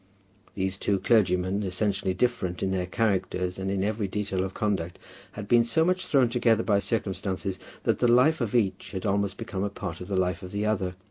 These two clergymen, essentially different in their characters and in every detail of conduct, had been so much thrown together by circumstances that the life of each had almost become a part of the life of the other.